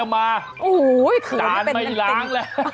ภาระไม่ล้าง